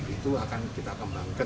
itu akan kita kembangkan